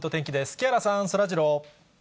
木原さん、そらジロー。